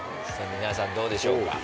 皆さんどうでしょうか？